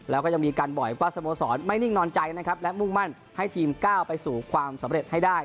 แล้วก็ยังมีการบอกอีกว่าสโมสรไม่นิ่งนอนใจนะครับและมุ่งมั่นให้ทีมก้าวไปสู่ความสำเร็จให้ได้